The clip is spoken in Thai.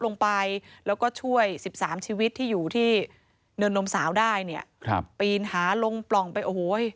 เนื้อนนมสาวได้ปีนหาลงปล่องไปโอ้โห